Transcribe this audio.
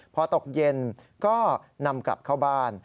พอตกเย็นก็นำกลับเข้าบ้าน